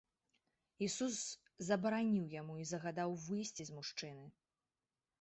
Ісус забараніў яму і загадаў выйсці з мужчыны.